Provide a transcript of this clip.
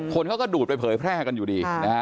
คนเขาก็ดูดไปเผยแพร่กันอยู่ดีนะฮะ